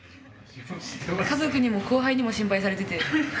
家族にも後輩にも心配されてて。